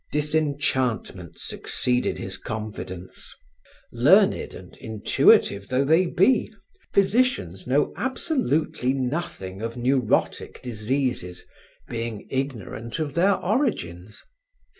Disenchantment succeeded his confidence. Learned and intuitive though they be, physicians know absolutely nothing of neurotic diseases, being ignorant of their origins.